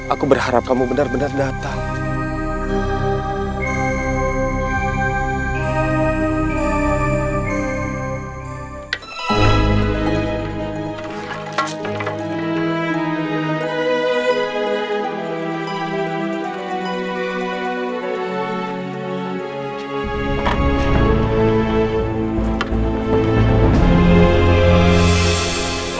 aku berharap kamu benar benar datang